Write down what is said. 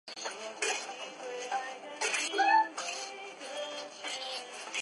商品拜物教是许多学者关切的课题。